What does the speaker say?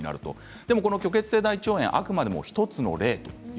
でも虚血性大腸炎はあくまでも１つの例です。